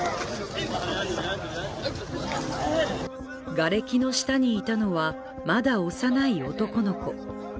がれきの下にいたのは、まだ幼い男の子。